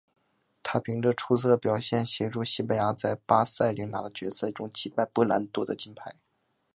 他凭着出色表现协助西班牙在巴塞隆拿的决赛中击败波兰夺得金牌。